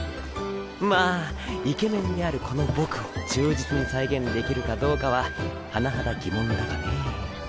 まぁイケメンであるこの僕を忠実に再現できるかどうかは甚だ疑問だがね。